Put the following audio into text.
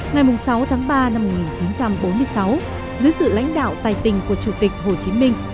ngày sáu tháng ba năm một nghìn chín trăm bốn mươi sáu dưới sự lãnh đạo tài tình của chủ tịch hồ chí minh